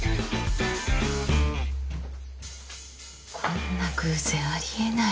こんな偶然あり得ないよ。